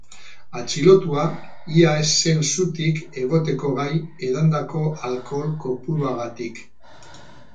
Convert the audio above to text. Atxilotua ia ez zen zutik egoteko gai edandako alkohol kopuruagatik.